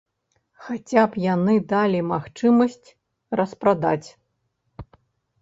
Хаця б яны далі магчымасць распрадаць.